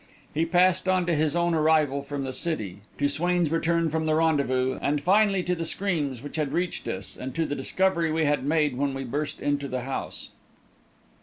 He passed on to his own arrival from the city, to Swain's return from the rendezvous, and finally to the screams which had reached us, and to the discovery we had made when we burst into the house.